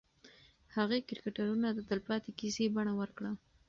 هغې کرکټرونه د تلپاتې کیسې بڼه ورکړه.